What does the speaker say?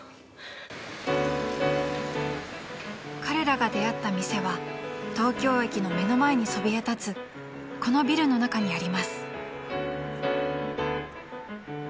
［彼らが出会った店は東京駅の目の前にそびえ立つこのビルの中にあります］